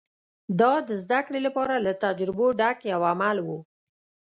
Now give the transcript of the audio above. دا د زدهکړې لپاره له تجربو ډک یو عمل و